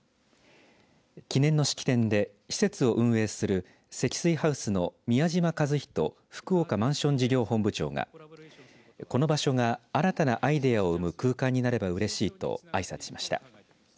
記念の式典で施設を運営する積水ハウスの宮島一仁福岡マンション事業本部長がこの場所が新たなアイデアを生む空間になればうれしいとあいさつしました。